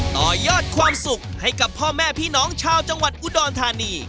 ต่อยอดความสุขให้กับพ่อแม่พี่น้องชาวจังหวัดอุดรธานี